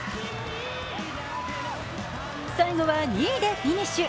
最後は２位でフィニッシュ。